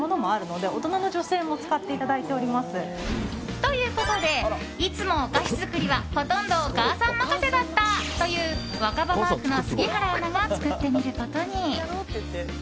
ということでいつもお菓子作りはほとんどお母さん任せだったという若葉マークの杉原アナが作ってみることに。